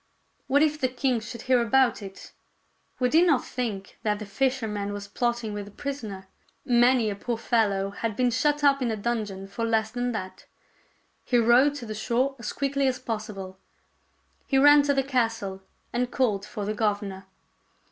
What if the king should hear about it ! Would he not think that the fisherman was plotting with the prisoner ? Many a poor fellow had been shut up in a dungeon for less than that. He rowed to the shore as quickly as possible. He ran to the castle and called for the governor.